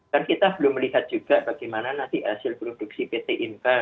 kan kita belum melihat juga bagaimana nanti hasil produksi pt inka